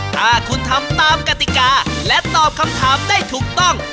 ถ้าคุณทำตามกติกาและตอบคำถามได้ถูกต้อง